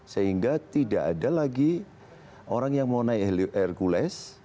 sehingga tidak ada lagi orang yang mau naik heli hercules